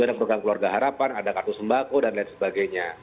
ada program keluarga harapan ada kartu sembako dan lain sebagainya